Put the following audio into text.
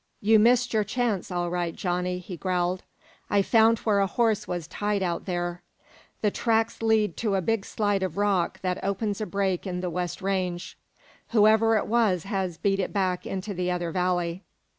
"You missed your chance, all right, Johnny," he growled. "I found where a horse was tied out there. The tracks lead to a big slide of rock that opens a break in the west range. Whoever it was has beat it back into the other valley.